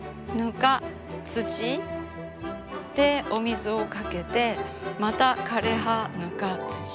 土でお水をかけてまた枯れ葉ぬか土。